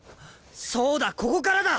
そうだここからだ！